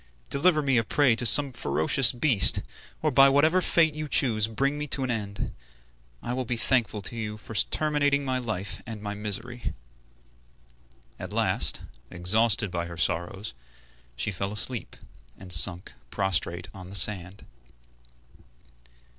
Deliver me a prey to some ferocious beast, or by whatever fate you choose bring me to an end. I will be thankful to you for terminating my life and my misery." At last, exhausted by her sorrows, she fell asleep, and sunk prostrate on the sand.